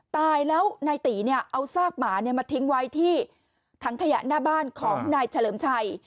ตายแล้วนายตีเนี่ยเอาซากหมามาทิ้งไว้ที่ถังขยะหน้าบ้านของนายเฉลิมชัย